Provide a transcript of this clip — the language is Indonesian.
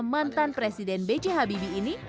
mantan presiden b c habibi ini